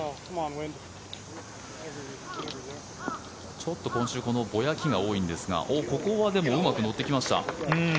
ちょっと今週このぼやきが多いんですがここはでも、うまく乗ってきました。